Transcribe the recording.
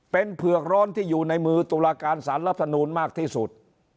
เป็นเผือกร้อนที่อยู่ในมือตุลาการสารรัฐมนูลมากที่สุด